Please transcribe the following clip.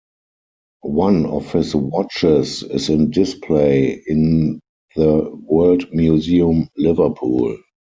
One of his watches is in display in the World Museum Liverpool.